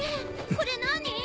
これ何？